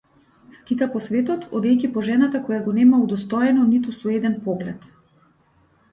Скита по светот, одејќи по жената која го нема удостоено ниту со еден поглед.